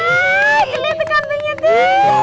woy liat tuh kambingnya titi